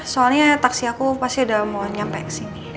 soalnya taksi aku pasti ada mau nyampe ke sini